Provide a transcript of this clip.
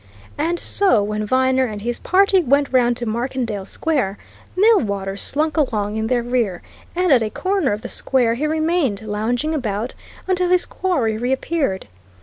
And so when Viner and his party went round to Markendale Square, Millwaters slunk along in their rear, and at a corner of the Square he remained, lounging about, until his quarry reappeared.